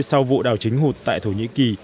sau vụ đào chính hụt tại thổ nhĩ kỳ